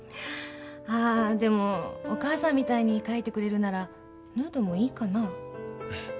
あぁでもお母さんみたいに描いてくれるならヌードもいいかな。